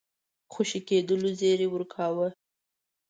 خوشي کېدلو زېری ورکاوه.